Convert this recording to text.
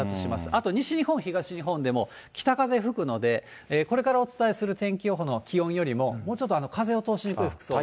あと西日本、東日本でも北風吹くので、これからお伝えする天気予報の気温よりも、もうちょっと風を通しにくい服装で。